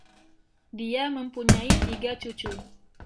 Dia mempunyai tiga cucu.